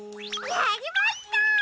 やりました！